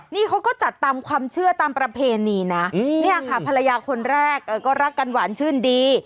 นี่เขาก็จัดตามความเชื่อตามประเพณีนะเนี่ยค่ะภรรยาคนแรกก็รักกันหวานชื่นดี